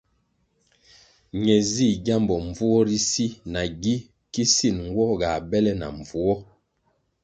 Ne zih gyambo mbvuo ri si na gi kisin nwo ga bele na mbvuo.